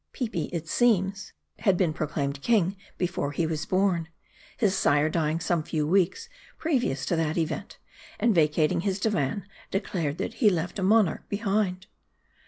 Peepi, it seems, had been proclaimed king before he was born ; his sire dying some few weeks previous to that event ; and vacating his divan, declared that he left a mon arch behind.